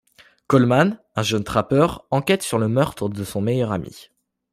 Coleman, un jeune trappeur, enquête sur le meurtre de son meilleur ami.